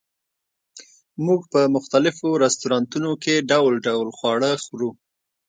موږ په مختلفو رستورانتونو کې ډول ډول خواړه خورو